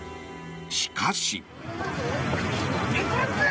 しかし。